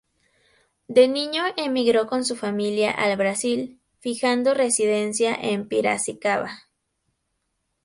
De niño, emigró con su familia al Brasil, fijando residencia en Piracicaba.